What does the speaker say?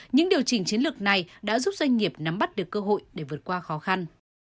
những điều chỉnh chiến lược này đã giúp doanh nghiệp nắm bắt được cơ hội để vượt qua khó khăn